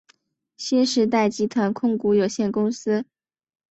新时代集团控股有限公司。